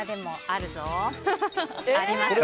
ありますね。